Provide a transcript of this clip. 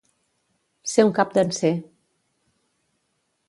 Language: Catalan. Ser un capdanser.